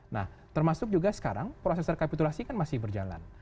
nah termasuk juga sekarang proses rekapitulasi kan masih berjalan